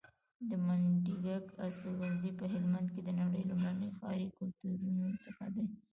د منډیګک استوګنځی په هلمند کې د نړۍ لومړني ښاري کلتورونو څخه دی